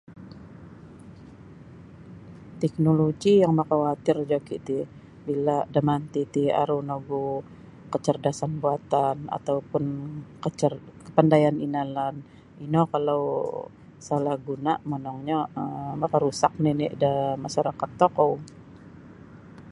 Teknoloji yang makawatir joki ti bila damanti ti ni aru nogu kecerdasan buatan ataupun kecer kepandaian inalan ino kalau salah guna monongnyo um maka rusak nini da masarakat tokou